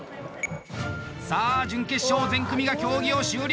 さあ準決勝、全組が競技を終了。